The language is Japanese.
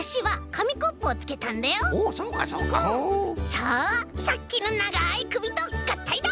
さあさっきのながいくびとがったいだ！